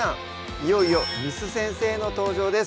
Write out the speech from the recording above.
いよいよ簾先生の登場です